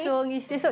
そう。